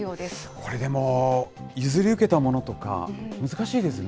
これでも、譲り受けたものとか、難しいですよね。